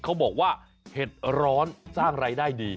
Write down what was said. เขาบอกว่าเห็ดร้อนสร้างรายได้ดี